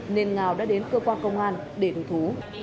nên ngào đã đến cơ quan công an để thủ thú